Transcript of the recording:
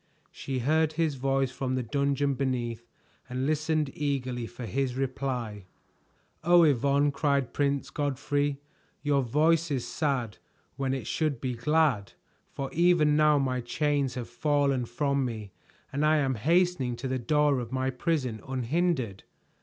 She heard his voice from the dungeon beneath and listened eagerly for his reply. "Oh, Yvonne," cried Prince Godfrey, "your voice is sad when it should be glad. For even now my chains have fallen from me and I am hastening to the door of my prison unhindered."